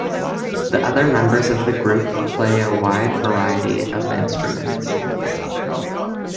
The other members of the group play a wide variety of instruments.